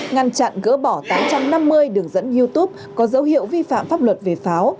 ngăn chặn gỡ bỏ tám trăm năm mươi đường dẫn youtube có dấu hiệu vi phạm pháp luật về pháo